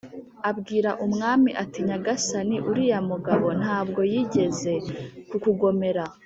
abwira umwami ati: «nyagasani uriya mugabo nta bwo yigeze kukugomera,